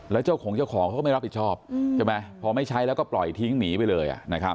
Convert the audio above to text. แล้วเจ้าของเจ้าของเขาก็ไม่รับผิดชอบใช่ไหมพอไม่ใช้แล้วก็ปล่อยทิ้งหนีไปเลย